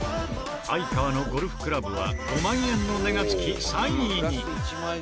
哀川のゴルフクラブは５万円の値が付き３位に。